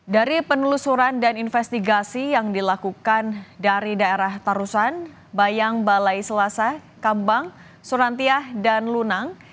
dari penelusuran dan investigasi yang dilakukan dari daerah tarusan bayang balai selasa kambang surantiah dan lunang